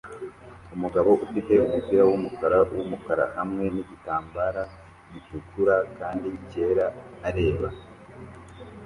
Umugabo ufite umupira wumukara wumukara hamwe nigitambara gitukura kandi cyera areba